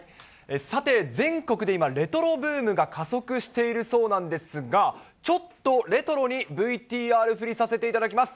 さて、全国で今、レトロブームが加速しているそうなんですが、ちょっとレトロにＶＴＲ振りさせていただきます。